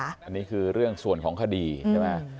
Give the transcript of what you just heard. อันนี้คือเรื่องส่วนของคดีใช่ไหม